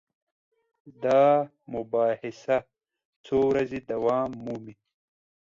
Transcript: دا مباحثه څو ورځې دوام مومي.